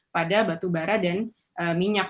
pada batu bara dan minyak